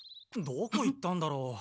どこ行ったんだろう？